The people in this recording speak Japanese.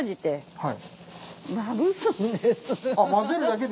はい。